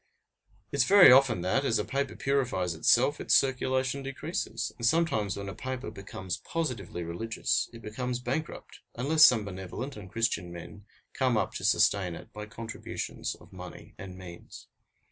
It is very often that, as a paper purifies itself, its circulation decreases, and sometimes when a paper becomes positively religious, it becomes bankrupt, unless some benevolent and Christian men come up to sustain it by contributions of money and means.